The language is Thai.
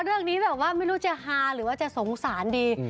เรื่องนี้แบบว่าไม่รู้จะฮาหรือว่าจะสงสารดี